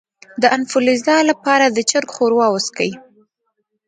د انفلونزا لپاره د چرګ ښوروا وڅښئ